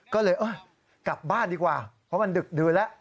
ก็เลยเออกลับบ้านดีกว่าเพราะมันดึกดื่นแล้ว